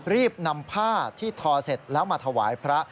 รีบนำผ้าที่ทอเสร็จแล้วมาถวายพระ